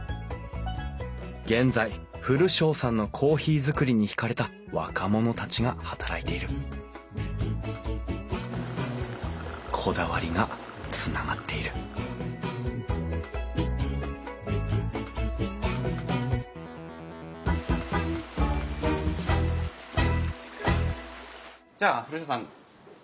現在古荘さんのコーヒーづくりにひかれた若者たちが働いているこだわりがつながっているじゃあ古荘さんこんな感じで。